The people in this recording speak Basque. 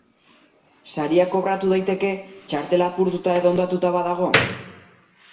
Saria kobratu daiteke txartela apurtuta edo hondatuta badago?